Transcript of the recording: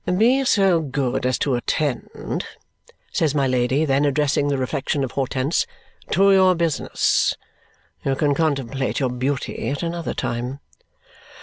"Be so good as to attend," says my Lady then, addressing the reflection of Hortense, "to your business. You can contemplate your beauty at another time."